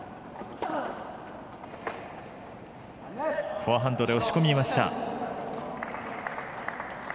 フォアハンドで押し込みました。